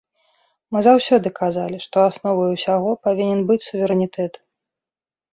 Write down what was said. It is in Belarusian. Мы заўсёды казалі, што асновай усяго павінен быць суверэнітэт.